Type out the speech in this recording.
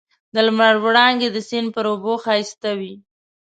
د لمر وړانګې د سیند پر اوبو ښایسته وې.